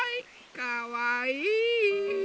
かわいい！